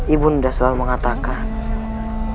ibu undaku selalu mengatakan